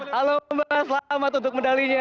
halo mbak selamat untuk medalinya